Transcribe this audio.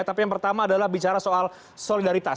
tapi yang pertama adalah bicara soal solidaritas